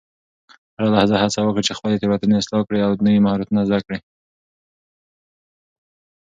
هره لحظه هڅه وکړه چې خپلې تیروتنې اصلاح کړې او نوي مهارتونه زده کړې.